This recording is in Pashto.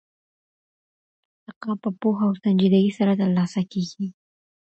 ارتقا په پوهه او سنجيدګۍ سره ترلاسه کېږي.